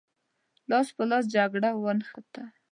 لاس په لاس جګړه ونښته.